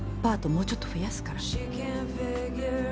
もうちょっと増やすから。